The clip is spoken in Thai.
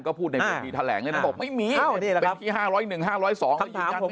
ก็พูดในบทมีแถลงเลยนะบอกไม่มี๕๐๐๑๕๐๒คำถามผม